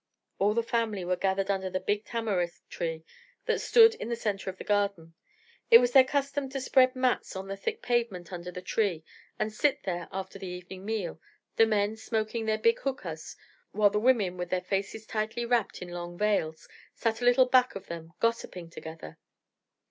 All the family were gathered under the big tamarisk tree that stood in the centre of the garden. It was their custom to spread mats on the brick pavement under the tree and sit there after the evening meal, the men smoking their big hookahs, while the women, with their faces tightly wrapped in long veils, sat a little back of them gossiping together.